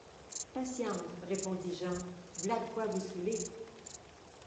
Patience! répondit Jean, v’là de quoi vous soûler !